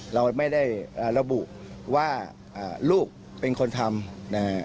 เราไม่ได้ระบุว่าลูกเป็นคนทำนะฮะ